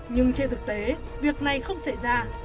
nhưng trên thực tế việc này không xảy ra